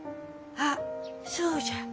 あっそうじゃ。